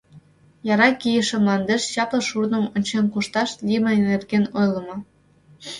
Яра кийыше мландеш чапле шурным ончен кушташ лийме нерген ойлымо.